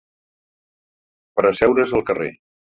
Per asseure's al carrer!